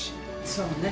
そうね。